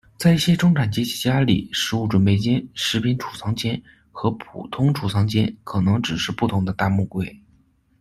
在一些中产阶级的家里，食物准备间、食品储藏间和普通储藏间可能只是不同的大木柜。